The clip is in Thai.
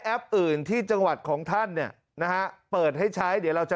อื่นที่จังหวัดของท่านเนี่ยนะฮะเปิดให้ใช้เดี๋ยวเราจะ